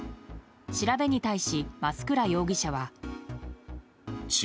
調べに対し、増倉容疑者は。